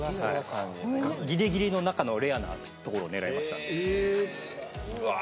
ギリギリの中のレアなところを狙いました。